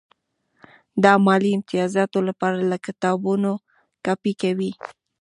د مالي امتیازاتو لپاره له کتابونو کاپي کوي.